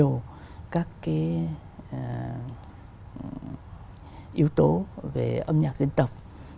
những cái yếu tố về âm nhạc dân tộc